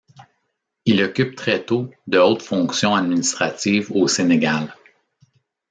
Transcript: Il occupe très tôt de hautes fonctions administratives au Sénégal.